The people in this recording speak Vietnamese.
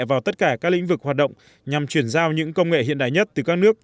vào tất cả các lĩnh vực hoạt động nhằm chuyển giao những công nghệ hiện đại nhất từ các nước